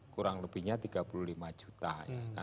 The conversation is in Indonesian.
kurang lebihnya tiga puluh lima juta